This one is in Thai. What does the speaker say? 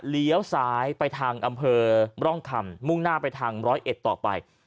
เลี้ยวซ้ายไปทางอำเภอร่องคำมุ่งหน้าไปทางร้อยเอ็ดต่อไป